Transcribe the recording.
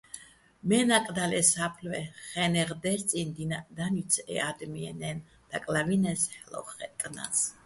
მე́ნაკ დალ ე სა́ფლვე, ხე́ნეღ დერწინო̆ დინაჸ დანუჲცი̆ ე ა́დმიეჼ-ნაჲნო̆ დაკლავინე́ს, ჰ̦ალო́ ხაჲტტნა́ს.